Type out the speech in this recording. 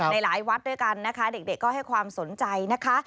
หลายวัดด้วยกันนะคะเด็กก็ให้ความสนใจนะคะ